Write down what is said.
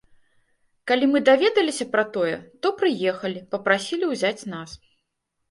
Калі мы даведаліся пра тое, то прыехалі, папрасілі ўзяць нас.